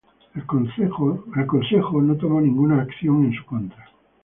El Consejo no tomó ninguna acción en su contra.